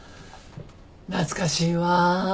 懐かしいわ。